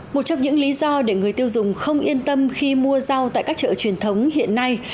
một trong những lý do để người tiêu dùng không yên tâm khi mua rau tại các chợ truyền thống hiện nay